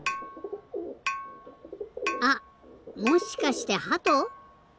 あっもしかしてハト？